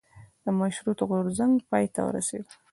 د مشروطیت غورځنګ پای ته ورسیده.